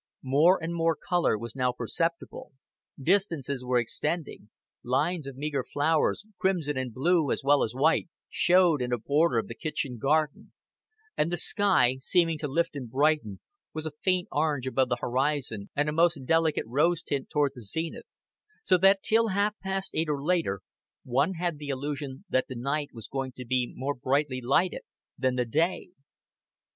More and more color was now perceptible; distances were extending; lines of meager flowers, crimson and blue as well as white, showed in a border of the kitchen garden; and the sky, seeming to lift and brighten, was a faint orange above the horizon and a most delicate rose tint toward the zenith so that till half past eight, or later, one had the illusion that the night was going to be more brightly lighted than the day.